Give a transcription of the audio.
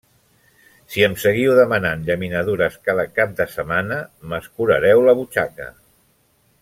Si em seguiu demanant llaminadures cada cap de setmana, m'escurareu la butxaca.